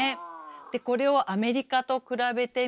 でこれをアメリカと比べてみると。